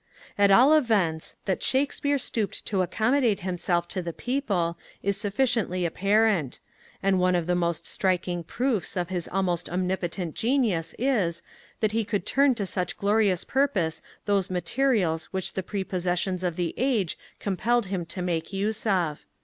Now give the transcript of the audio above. At all events, that Shakespeare stooped to accommodate himself to the People, is sufficiently apparent; and one of the most striking proofs of his almost omnipotent genius is, that he could turn to such glorious purpose those materials which the prepossessions of the age compelled him to make use of.